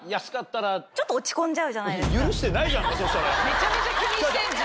めちゃめちゃ気にしてんじゃん。